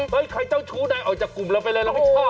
ใครเจ้าชู้นายออกจากกลุ่มเราไปเลยเราไม่ชอบ